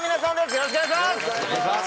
よろしくお願いします！